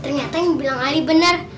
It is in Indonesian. ternyata yang bilang ali benar